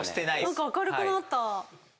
何か明るくなった。